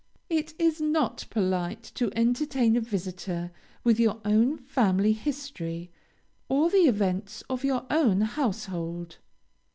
It is not polite to entertain a visitor with your own family history, or the events of your own household.